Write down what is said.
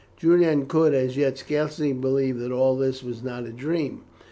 Julian could, as yet, scarcely believe that all this was not a dream.